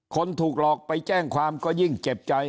คนถูกหลอกไปแจ้งความก็ยิ่งเจ็บใจ